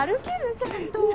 ちゃんと。